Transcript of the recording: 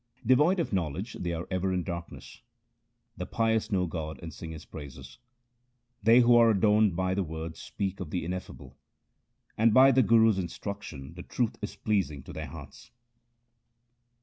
Devoid of knowledge they are ever in darkness ; the pious know God and sing His praises. They who are adorned by the Word speak of the Ineffable, And by the Guru's instruction the truth is pleasing to their hearts.